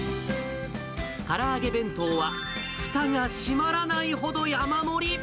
から揚げ弁当はふたが閉まらないほど山盛り。